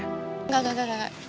enggak enggak enggak